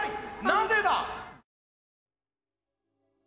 なぜだ！